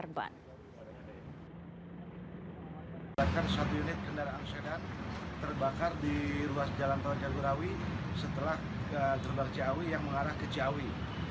bahkan satu unit kendaraan sedan terbakar di ruas jalan tol jagorawi setelah gerbang ciawi yang mengarah ke ciawi